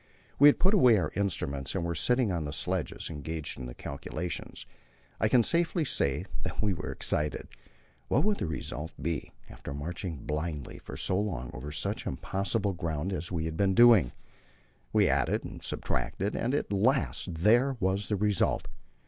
We had put away our instruments and were sitting on the sledges, engaged in the calculations. I can safely say that we were excited. What would the result be, after marching blindly for so long and over such impossible ground, as we had been doing? We added and subtracted, and at last there was the result.